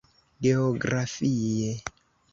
Geografie: